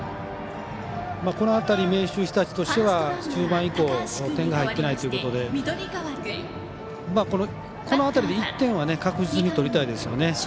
この辺り明秀日立としては中盤以降点が入っていないということでこの辺りで１点は確実に取りたいですよね。